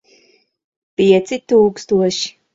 Pieci tūkstoši.